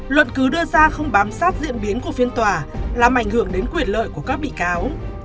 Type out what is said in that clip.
luận cứu đưa ra không bám sát diễn biến của phiên tòa làm ảnh hưởng đến quyền lợi của các bị cáo